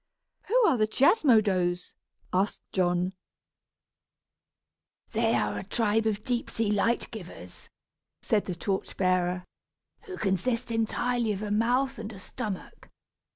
"Who are the Chiasmodos?" asked John. "They are a tribe of deep sea light givers," said the torch bearer, "who consist entirely of a mouth and a stomach.